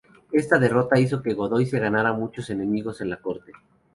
Esta derrota hizo que Godoy se ganara muchos enemigos en la corte.